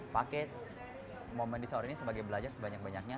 paket moment di sauer ini sebagai belajar sebanyak banyaknya